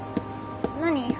何？